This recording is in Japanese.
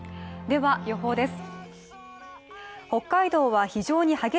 では予報です。